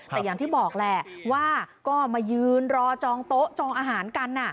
แต่อย่างที่บอกแหละว่าก็มายืนรอจองโต๊ะจองอาหารกัน